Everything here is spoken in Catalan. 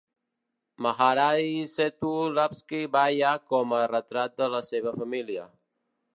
Maharani Sethu Lakshmi Bayi, com a retrat per a la seva família.